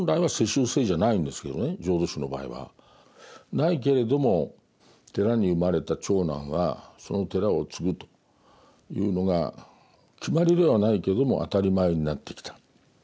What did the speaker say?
ないけれども寺に生まれた長男がその寺を継ぐというのが決まりではないけども当たり前になってきた。